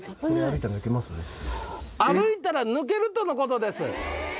歩いたら抜けるとのことです。